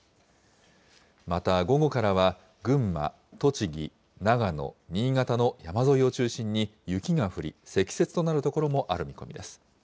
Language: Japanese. また午後からは、群馬、栃木、長野、新潟の山沿いを中心に雪が降り、積雪となる所もある見込みです。